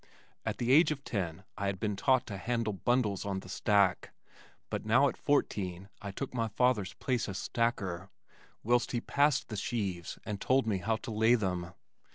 At the age of ten I had been taught to "handle bundles" on the stack, but now at fourteen I took my father's place as stacker, whilst he passed the sheaves and told me how to lay them.